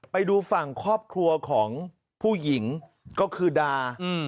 ไปดูฝั่งครอบครัวของผู้หญิงก็คือดา